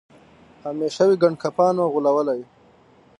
همېشه وي ګنډکپانو غولولی